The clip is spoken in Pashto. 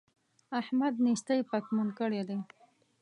احمد نېستۍ پک پمن کړی دی.